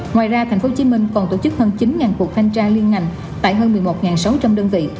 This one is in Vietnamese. ngoài ra tp hcm còn tổ chức hơn chín cuộc thanh tra liên ngành tại hơn một mươi một sáu trăm linh đơn vị